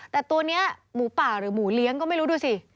แต่ตัวนี้หมูป่าหรือหมูเลี้ยงก็ไม่รู้ดูสิ